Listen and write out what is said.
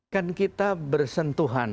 kan kita bersentuhan